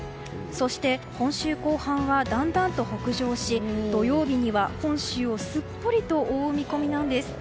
そして、今週後半はだんだんと北上し土曜日には本州をすっぽりと覆う見込みなんです。